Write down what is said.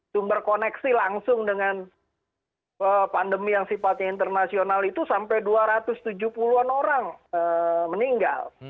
sumber koneksi langsung dengan pandemi yang sifatnya internasional itu sampai dua ratus tujuh puluh an orang meninggal